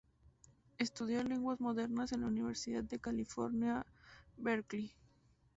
Estudió lenguas modernas en la Universidad de California, Berkeley.